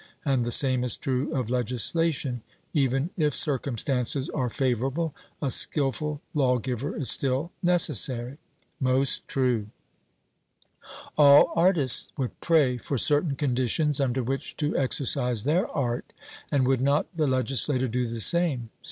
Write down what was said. And the same is true of legislation: even if circumstances are favourable, a skilful lawgiver is still necessary. 'Most true.' All artists would pray for certain conditions under which to exercise their art: and would not the legislator do the same?